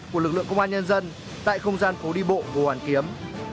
của lực lượng công an nhân dân tại không gian phố đi bộ hồ hoàn kiếm